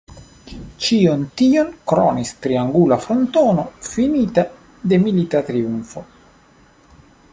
Ĉion tion kronis triangula frontono finita de milita triumfo.